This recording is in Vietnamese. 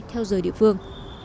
theo giới địa phương